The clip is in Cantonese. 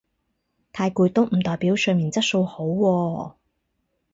太攰都唔代表睡眠質素好喎